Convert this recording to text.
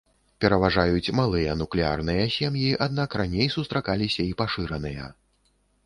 Пераважаюць малыя нуклеарныя сем'і, аднак раней сустракаліся і пашыраныя.